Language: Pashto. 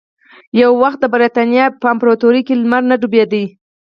یو وخت د برېتانیا په امپراتورۍ کې لمر نه ډوبېده.